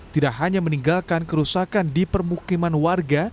tidak hanya meninggalkan kerusakan di permukiman warga